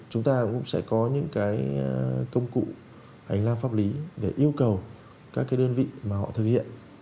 chúng ta cũng sẽ có những cái công cụ hành lang pháp lý để yêu cầu các cái đơn vị mà họ thực hiện